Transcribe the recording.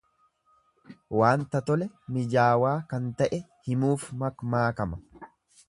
Waanta tole, mijaawaa kan ta'e himuuf makmaakama.